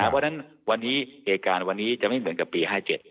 เพราะฉะนั้นวันที่จะไม่เหมือนกับปี๕๗